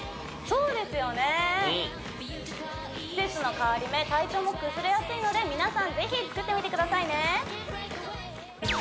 うん季節の変わり目体調も崩れやすいので皆さんぜひ作ってみてくださいね